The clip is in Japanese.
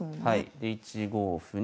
で１五歩に。